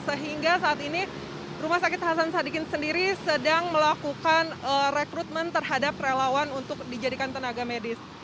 sehingga saat ini rumah sakit hasan sadikin sendiri sedang melakukan rekrutmen terhadap relawan untuk dijadikan tenaga medis